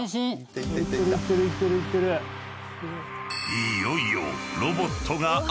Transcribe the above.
［いよいよ］